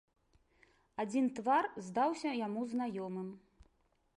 Адзін твар здаўся яму знаёмым.